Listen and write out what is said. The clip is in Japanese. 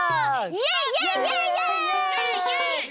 イエイイエイイエイ！